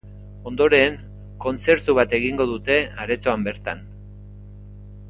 Ondoren, kontzertu bat egingo dute aretoan bertan.